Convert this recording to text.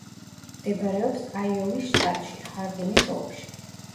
მდებარეობს აიოვის შტატში, ჰარდინის ოლქში.